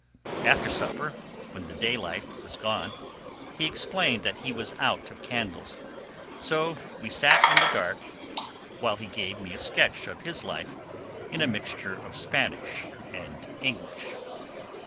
After supper, when the daylight was gone, he explained that he was out of candles; so we sat in the dark, while he gave me a sketch of his life in a mixture of Spanish and English.